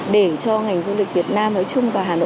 để cho ngành du lịch việt nam nói chung